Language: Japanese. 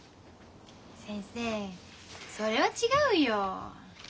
先生それは違うよ。